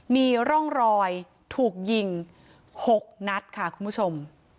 มีร่องรอยถูกยิง๖นัดค่ะคุณผู้ชม